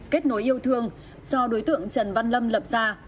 kết nối yêu thương do đối tượng trần văn lâm lập ra